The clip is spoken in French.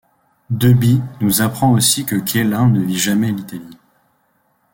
De Bie nous apprend aussi que Quellin ne vit jamais l'Italie.